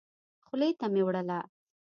خولې ته مي وړله .